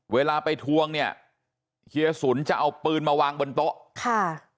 เวลาไปทวงเนี่ยเฮียสุนจะเอาปืนมาวางบนโต๊ะค่ะ